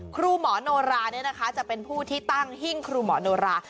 ครูหมอนโนราเนี่ยนะคะจะเป็นผู้ที่ตั้งหิ้งครูหมอนโนรา